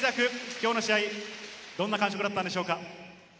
きょうの試合、どんな感触だったんでしょうか？